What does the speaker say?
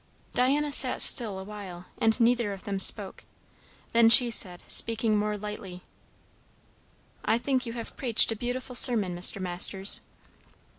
'" Diana sat still awhile and neither of them spoke; then she said, speaking more lightly: "I think you have preached a beautiful sermon, Mr. Masters."